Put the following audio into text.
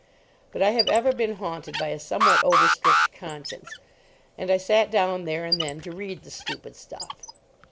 But I have ever been haunted by a somewhat over strict conscience, and I sat down there and then to read the stupid stuff.